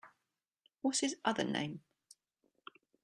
What’s his other name?